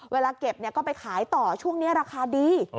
เวลาเก็บก็ไปขายต่อช่วงนี้ราคาดี